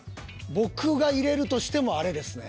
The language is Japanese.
僕が入れるとしてもあれですね。